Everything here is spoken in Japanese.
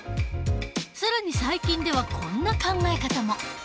更に最近ではこんな考え方も。